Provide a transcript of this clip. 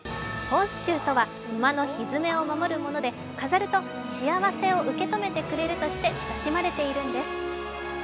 ホースシューとは馬のひづめを守るもので、飾ると幸せを受け止めてくれるとして、親しまれています。